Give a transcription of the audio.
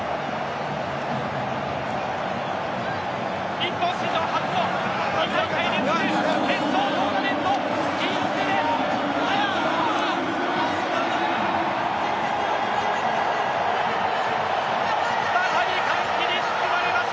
日本史上初の２大会連続決勝トーナメント進出です。